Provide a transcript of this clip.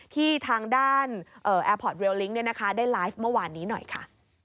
ที่ทางด้านแอร์พอร์ตเวลลิ้งได้ไลฟ์เมื่อวานนี้หน่อยค่ะ